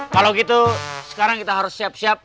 kalau gitu sekarang kita harus siap siap